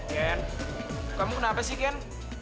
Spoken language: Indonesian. ken kamu kenapa sih ken